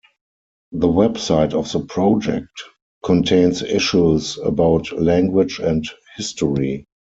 The website of the project contains issues about language and history.